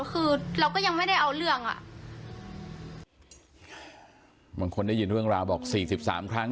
คือเราก็ยังไม่ได้เอาเรื่องอ่ะบางคนได้ยินเรื่องราวบอกสี่สิบสามครั้ง